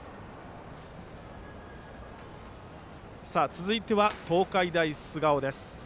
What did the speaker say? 続いては東海大菅生です。